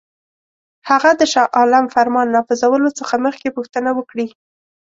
هغه د شاه عالم فرمان نافذولو څخه مخکي پوښتنه وکړي.